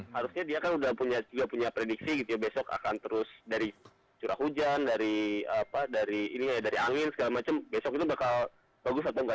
harusnya dia kan udah punya prediksi gitu ya besok akan terus dari curah hujan dari angin segala macam besok itu bakal bagus atau enggak